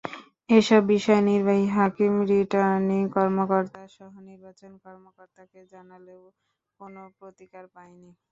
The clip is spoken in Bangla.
এসব বিষয় নির্বাহী হাকিম, রিটার্নিং কর্মকর্তাসহ নির্বাচন কর্মকর্তাকে জানালেও কোনো প্রতিকার পাইনি।